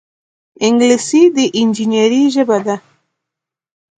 انګلیسي د انجینرۍ ژبه ده